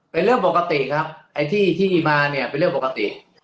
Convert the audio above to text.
เป็นเรื่องปกติครับไอ้ที่ที่มาเนี่ยเป็นเรื่องปกติ